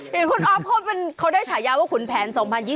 เห็นคุณอฟของเขาเขาได้ถ่ายายาวว่าขุนแผน๒๐๒๒